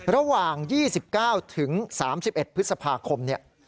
ระหว่าง๒๙ถึง๓๑พฤษภาคม